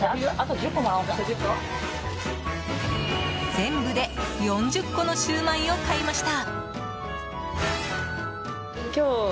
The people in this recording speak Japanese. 全部で４０個のシューマイを買いました。